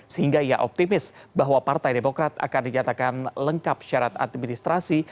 sehingga ia optimis bahwa partai demokrat akan dinyatakan lengkap syarat administrasi